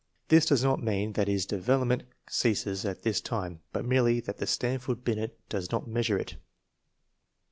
This does not mean that his develop ment ceases at this time, but merely that the Stanford' Binet does not measure it.